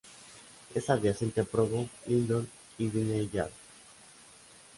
Es adyacente a Provo, Lindon y Vineyard.